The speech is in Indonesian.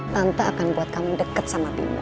tante akan buat kamu deket sama bimbo